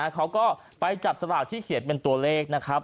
เขาก็ไปจับสลากที่เขียนเป็นตัวเลขนะครับ